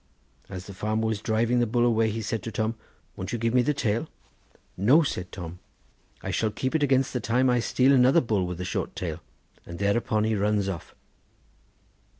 As the farmer was driving the bull away he said to Tom: 'Won't you give me the tail?' 'No,' said Tom; 'I shall keep it against the time I steal another bull with a short tail;' and thereupon he runs off."